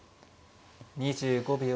２５秒。